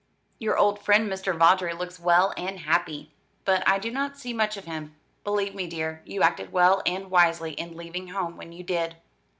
"Your old friend, Mr. Vawdrey, looks well and happy, but I do not see much of him. Believe me, dear, you acted well and wisely in leaving home when you did.